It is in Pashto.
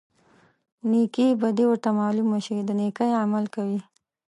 نیکې بدي ورته معلومه شي د نیکۍ عمل کوي.